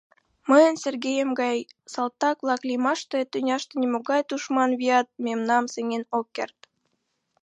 Мыйын Сергеем гай салтак-влак лиймаште тӱняште нимогай тушман вият мемнам сеҥен ок керт.